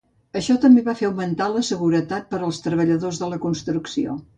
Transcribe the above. Això també va fer augmentar la seguretat per als treballadors de la construcció.